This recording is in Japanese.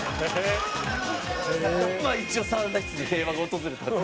まあ一応サウナ室に平和が訪れたと。